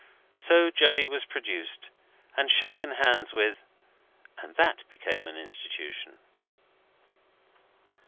So Joey was produced, and shaken hands with, and that became an Institution.